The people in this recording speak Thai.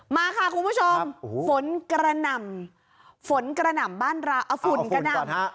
มาค่ะคุณผู้ชมฝนกระหน่ำฝนกระหน่ำบ้านเราเอาฝุ่นกระหน่ำ